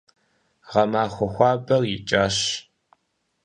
Гъэмахуэ хуабэр икӀащ.